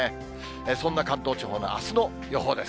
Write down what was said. そんな関東地方のあすの予報です。